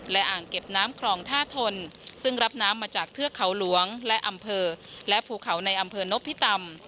และอ่างเก็บน้ำคลองท่าทนซึ่งรับน้ำมาจากเทือกเขาหลวงและอำเภอและภูเขาในอำเภอนพิตำ